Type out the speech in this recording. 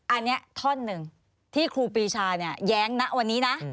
อันนี้ท่อนหนึ่งที่ครูปีชาแย้งนะวันนี้นะ